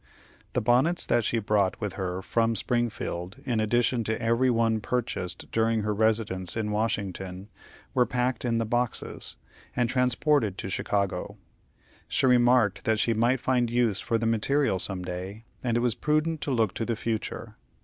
The bonnets that she brought with her from Springfield, in addition to every one purchased during her residence in Washington, were packed in the boxes, and transported to Chicago. She remarked that she might find use for the material some day, and it was prudent to look to the future.